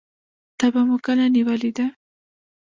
تبه مو کله نیولې ده؟